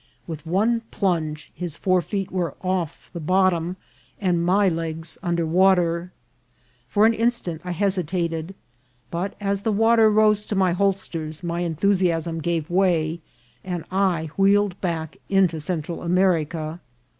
With one plunge his fore feet were off the bottom, and my legs under water. For an instant I hesitated ; but as the water rose to my holsters my enthusiasm gave way, and I wheeled back into Central America.